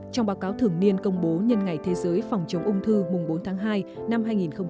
trong báo cáo thường niên công bố nhân ngày thế giới phòng chống ung thư mùng bốn tháng hai năm hai nghìn hai mươi